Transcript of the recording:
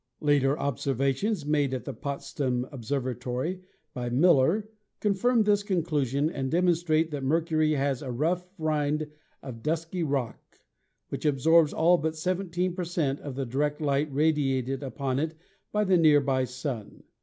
Later observations made at the Potsdam Observatory by Miiller confirm this conclusion and demonstrate that Mer cury has a rough rind of dusky rock, which absorbs all but 17 per cent, of the direct light radiated upon it by the near by Sun.